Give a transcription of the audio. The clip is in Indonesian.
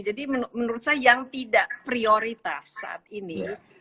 jadi menurut saya yang tidak prioritas saat ini